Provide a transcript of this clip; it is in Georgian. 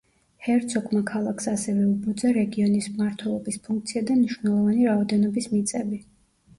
ჰერცოგმა ქალაქს ასევე უბოძა რეგიონის მმართველობის ფუნქცია და მნიშვნელოვანი რაოდენობის მიწები.